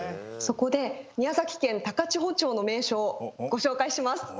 そこで宮崎県高千穂町の名所をご紹介します。